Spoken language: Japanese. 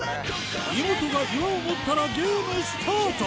イモトが岩を持ったらゲームスタート！